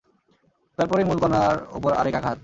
তারপরেই মূল কণার ওপর আরেক আঘাত।